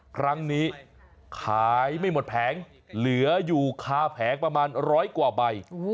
ครั้งนี้ขายไม่หมดแผงเหลืออยู่คาแผงประมาณร้อยกว่าใบ